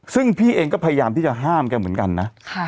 ซึ่งพี่เองก็พยายามที่จะห้ามแกเหมือนกันนะ